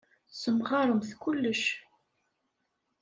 Tessemɣaremt kullec.